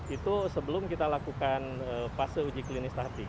itu sebelum kita lakukan fase uji klinis tahap tiga